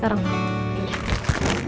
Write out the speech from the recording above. terima terima terima terima